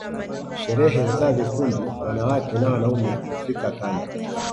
sherehe za vikundi wanawake na wanaume hufika kando